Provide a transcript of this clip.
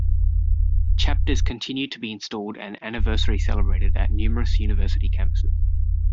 Chapters continue to be installed and anniversaries celebrated at numerous university campuses.